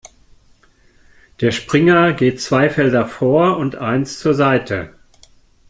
Der Springer geht zwei Felder vor und eins zur Seite.